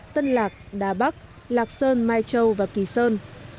tân lạc đà bắc lạc sơn mai châu và kỳ sơn